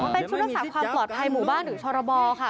เป็นชุดรักษาความปลอดภัยหมู่บ้านหรือชรบค่ะ